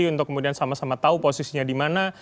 untuk kemudian sama sama tahu posisinya di mana